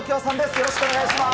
よろしくお願いします。